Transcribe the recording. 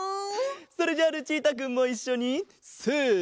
それじゃあルチータくんもいっしょにせの。